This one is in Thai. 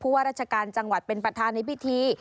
ว่าราชการจังหวัดเป็นประธานในพิธี